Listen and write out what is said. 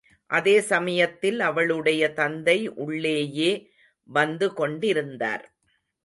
அதே சமயத்தில் அவளுடைய தந்தை உள்ளேயே வந்து கொண்டிருந்தார்.